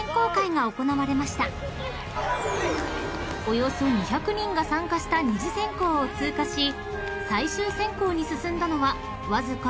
［およそ２００人が参加した二次選考を通過し最終選考に進んだのはわずか５０人ほど］